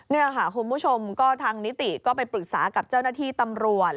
นี่ค่ะคุณผู้ชมก็ทางนิติก็ไปปรึกษากับเจ้าหน้าที่ตำรวจ